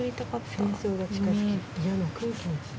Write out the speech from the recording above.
「戦争が近づき」。